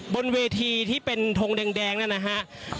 บนเวทีที่เป็นทงแดงนั่นนะฮะ